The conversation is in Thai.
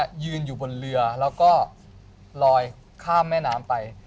ยืนอยู่บนเรือแล้วก็ลอยข้ามแม่น้ำไป